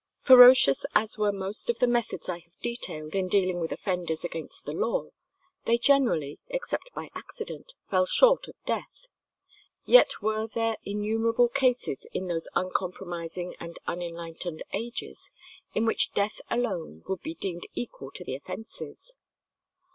Ferocious as were most of the methods I have detailed of dealing with offenders against the law, they generally, except by accident, fell short of death. Yet were there innumerable cases in those uncompromising and unenlightened ages in which death alone would be deemed equal to the offences.